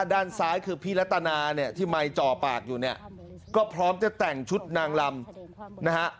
ด้านซ้ายคือพี่รัตนาเนี่ยที่ไมค์จ่อปากอยู่เนี่ยก็พร้อมจะแต่งชุดนางลำนะฮะ